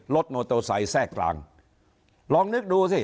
รถโมโตไซคแทรกกลางลองนึกดูสิ